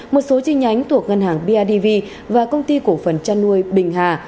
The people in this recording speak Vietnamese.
một số chi nhánh thuộc ngân hàng bidv và công ty cổ phần chăn nuôi bình hà